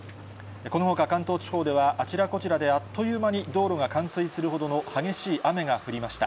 このほか、関東地方では、あちらこちらであっという間に道路が冠水するほどの激しい雨が降りました。